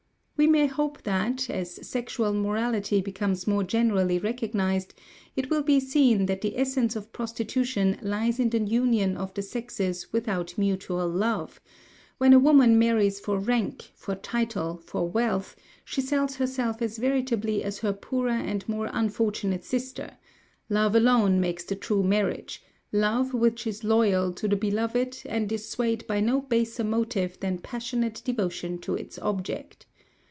We may hope that, as sexual morality becomes more generally recognised, it will be seen that the essence of prostitution lies in the union of the sexes without mutual love; when a woman marries for rank, for title, for wealth, she sells herself as veritably as her poorer and more unfortunate sister; love alone makes the true marriage, love which is loyal to the beloved, and is swayed by no baser motive than passionate devotion to its object.